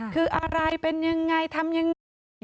คืออะไรเป็นอย่างไรทำอย่างไร